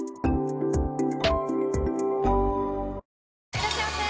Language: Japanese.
いらっしゃいませ！